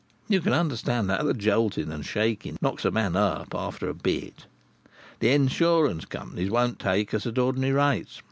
You can understand how the jolting and shaking knocks a man up, after a bit. The insurance companies won't take us at ordinary rates.